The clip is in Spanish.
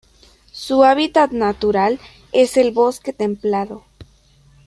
Su hábitat natural es el bosque templado.